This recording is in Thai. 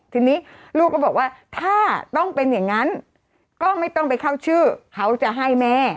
ทีนี้ลูกก็บอกว่าถ้าต้องเป็นอย่างนั้นก็ไม่ต้องไปเข้าชื่อเขาจะให้แม่